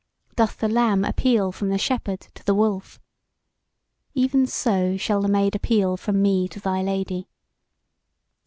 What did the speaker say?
Doth the lamb appeal from the shepherd to the wolf? Even so shall the Maid appeal from me to thy Lady.